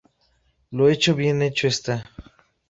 Lo hecho bien hecho está.